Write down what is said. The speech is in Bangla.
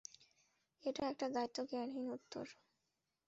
এটা একটা দায়িত্বজ্ঞানহীন উত্তর।